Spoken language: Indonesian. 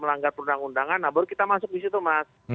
melanggar perundang undangan nah baru kita masuk di situ mas